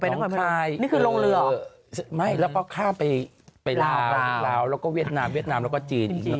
น้องคายแล้วก็ข้ามไปลาวลเวียดนัมแล้วก็จีน